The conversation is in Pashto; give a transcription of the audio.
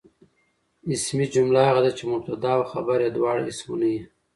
اسمي جمله هغه ده، چي مبتدا او خبر ئې دواړه اسمونه يي.